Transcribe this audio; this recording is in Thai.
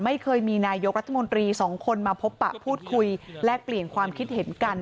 ไม่เคยมีนายกรัฐมนตรีสองคนมาพบปะพูดคุยแลกเปลี่ยนความคิดเห็นกัน